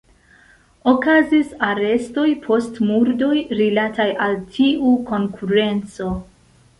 Okazis arestoj post murdoj rilataj al tiu konkurenco.